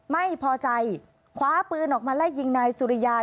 ไม่พอใจคว้าปืนออกมาไล่ยิงนายสุริยา